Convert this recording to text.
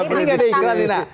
ini gak ada iklan ini nak